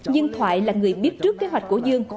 nhưng thoại là người biết trước kế hoạch của dương